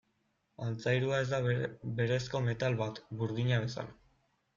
Altzairua ez da berezko metal bat, burdina bezala.